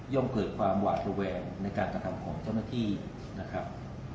เกิดความหวาดระแวงในการกระทำของเจ้าหน้าที่นะครับ